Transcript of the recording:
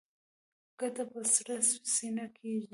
ګټه په سړه سینه کېږي.